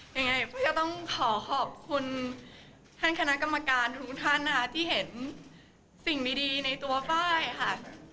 ยังไงไฟล์ก็ต้องขอขอบคุณท่านคณะกรรมการทุกท่านนะคะที่เห็นสิ่งดีในตัวไฟล์ค่ะ